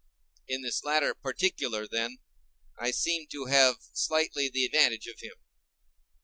In this latter particular, then, I seem to have slightly the advantage of him.